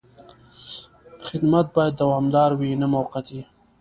خدمت باید دوامداره وي، نه موقتي.